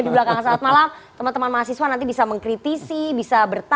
di belakang saat malam teman teman mahasiswa nanti bisa mengkritisi bisa bertanya